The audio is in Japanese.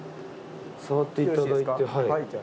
触っていただいて。